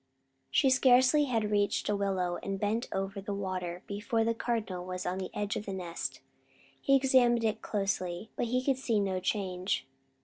She scarcely had reached a willow and bent over the water before the Cardinal was on the edge of the nest. He examined it closely, but he could see no change.